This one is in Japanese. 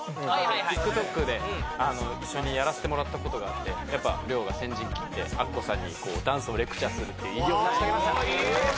ＴｉｋＴｏｋで一緒にやらせてもらったことがあってやっぱ亮が先陣切ってアッコさんにダンスをレクチャーするって偉業を成し遂げました！